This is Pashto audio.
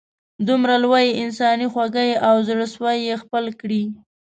دومره لویې انسانې خواږۍ او زړه سوي یې خپل کړي.